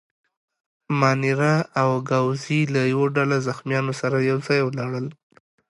مانیرا او ګاووزي له یوه ډله زخیمانو سره یو ځای ولاړل.